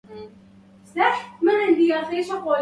متى تسألي عن عهده تجديه